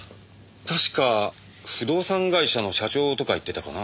たしか不動産会社の社長とか言ってたかな。